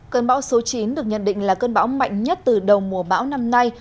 cơn bão số chín được nhận định là cơn bão mạnh nhất từ đầu mùa bão năm nay